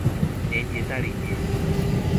連結在裡面